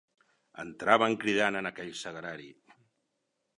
Entraven cridant en aquell sagrari